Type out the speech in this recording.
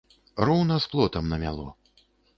Роўна з плотам намяло.